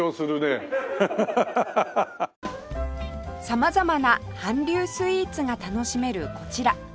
様々な韓流スイーツが楽しめるこちら